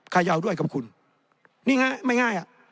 ใครจะเอาด้วยกับคุณนี่ไงไม่ง่าย